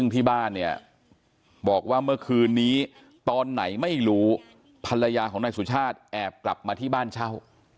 ผู้ภรรยาของนายสุชาติแอบกลับมาที่บ้านเช่า